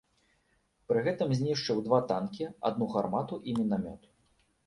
Пры гэтым знішчыў два танкі, адну гармату і мінамёт.